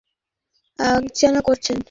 সম্রাট কেমন যেন করছেন!